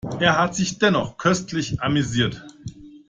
Er hat sich dennoch köstlich amüsiert.